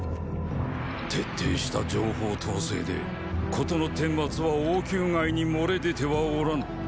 徹底した情報統制で事の顛末は王宮外に漏れ出てはおらぬ。